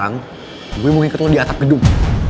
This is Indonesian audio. gue mau ikut lo di atap hidung